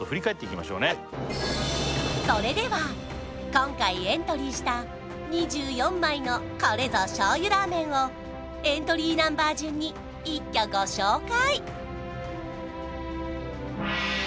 ちょっとそれでは今回エントリーした２４枚のこれぞ醤油ラーメンをエントリーナンバー順に一挙ご紹介！